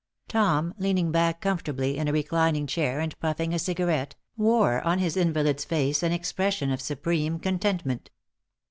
Tom, leaning back comfortably in a reclining chair and puffing a cigarette, wore on his invalid's face an expression of supreme contentment.